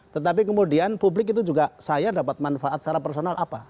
tetapi kemudian publik itu juga saya dapat manfaat secara personal apa